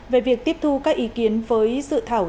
về việc tiếp thu các ý kiến với dự thảo